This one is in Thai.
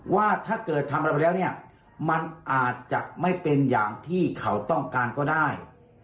ว่าถ้าเกิดทำอะไรไปแล้วเนี่ยมันอาจจะไม่เป็นอย่างที่เขาต้องการก็ได้